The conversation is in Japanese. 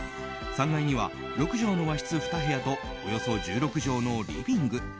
３階には６畳の和室２部屋とおよそ１６畳のリビング。